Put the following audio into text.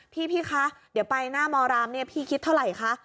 พี่คะเดี๋ยวไปหน้ามรามเนี่ยพี่คิดเท่าไหร่คะ